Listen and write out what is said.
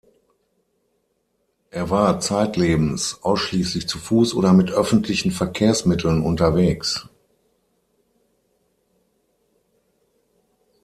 Er war zeitlebens ausschließlich zu Fuß oder mit öffentlichen Verkehrsmitteln unterwegs.